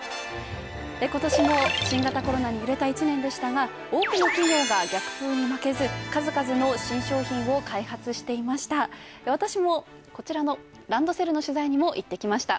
ことしも新型コロナに揺れた一年でしたが多くの企業が逆風に負けず数々の新商品を開発していました。